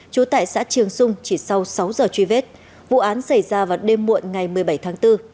trú tại xã trường sung chỉ sau sáu giờ truy vết vụ án xảy ra vào đêm muộn ngày một mươi bảy tháng bốn